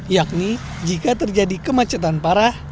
yakni jika terjadi kemacetan parah